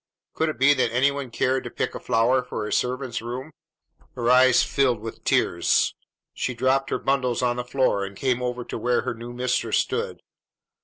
Could it be that any one had cared to pick a flower for a servant's room? Her eyes filled with tears; she dropped her bundles on the floor, and came over to where her new mistress stood.